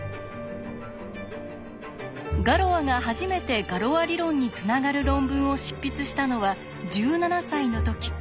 ガロアが初めてガロア理論につながる論文を執筆したのは１７歳の時。